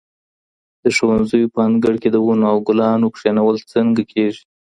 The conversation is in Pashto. د ښوونځیو په انګړ کي د ونو او ګلانو کښینول څنګه کیږي؟